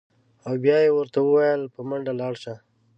او بیا یې ورته ویل: په منډه لاړ شه.